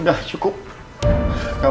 disuruh nyelam sama orang